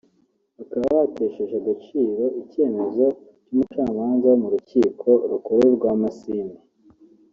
bakaba batesheje agaciro icyemezo cy’umucamanza wo mu Rukiko Rukuru rwa Masindi